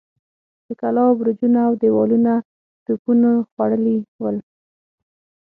د کلاوو برجونه اودېوالونه توپونو خوړلي ول.